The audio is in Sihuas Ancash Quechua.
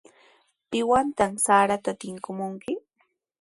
¿Piwantaq sarata tipimunki?